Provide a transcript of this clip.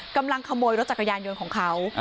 กำลังขโมยรถจักรยานยนต์ของเขา